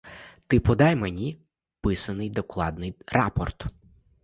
Ти подай мені писаний докладний рапорт.